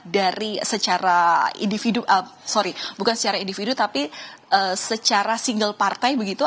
dari secara individu sorry bukan secara individu tapi secara single partai begitu